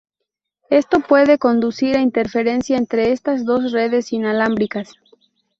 Esto puede conducir a interferencia entre estas dos redes inalámbricas.